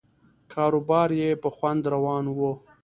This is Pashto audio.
کاروبار یې په خوند روان و.